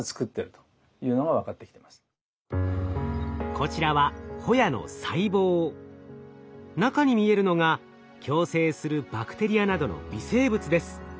こちらは中に見えるのが共生するバクテリアなどの微生物です。